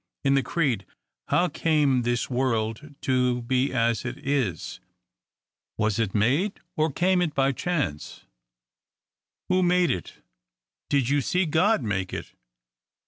In the creed —" How came this world to be as it is ? Was it made, or came it by chance ? Who made it ? Did you see God make it